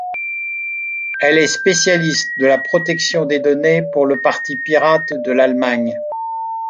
Elle est spécialiste de la protection des données pour le parti pirate de l'Allemagne.